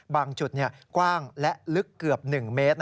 บางจุดกว้างและลึกเกือบ๑เมตร